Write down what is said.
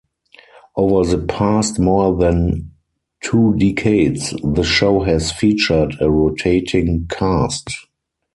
Over the past more than two decades, this show has featured a rotating cast.